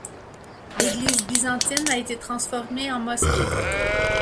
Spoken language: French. L'église byzantine a été transformée en mosquée.